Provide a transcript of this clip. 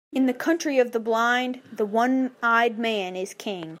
In the country of the blind, the one-eyed man is king.